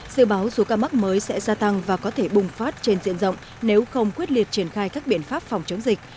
dự báo số ca mắc mới sẽ gia tăng và có thể bùng phát trên diện rộng nếu không quyết liệt triển khai các biện pháp phòng chống dịch